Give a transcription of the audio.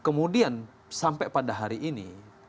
kemudian sampai pada hari ini